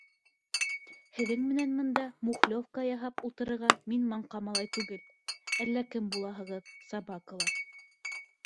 Һеҙҙең менән бында мухлевка яһап ултырырға мин маңҡа малай түгел, әллә кем булаһығыҙ, собакалар.